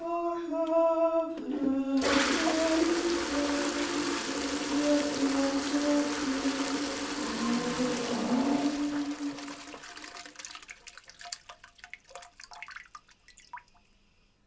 I have had many friends, Yet none so true as thee!